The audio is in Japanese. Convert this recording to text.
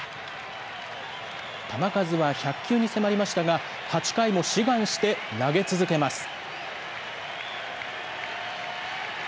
球数は１００球に迫りましたが、８回も志願して投げ続けます。